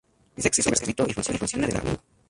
Es de acceso gratuito y funciona de martes a domingo.